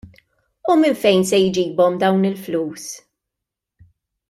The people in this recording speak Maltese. U minn fejn se jġibhom dawn il-flus?